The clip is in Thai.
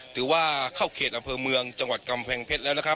ถือว่าเข้าเขตอำเภอเมืองจังหวัดกำแพงเพชรแล้วนะครับ